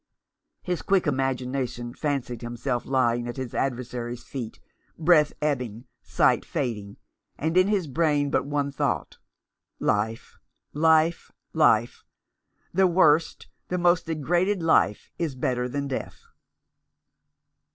His quick imagination fancied himself lying at his adversary's feet, breath ebbing, sight fading, and in his brain but one thought — Life, life, life ; the worst, the most degraded life is better than death.